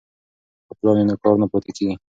که پلان وي نو کار نه پاتې کیږي.